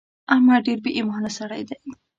احمد ډېر بې ايمانه سړی دی.